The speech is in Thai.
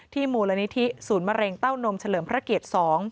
มูลนิธิศูนย์มะเร็งเต้านมเฉลิมพระเกียรติ๒